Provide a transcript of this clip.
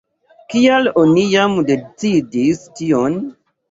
Kial oni jam nun decidis tion?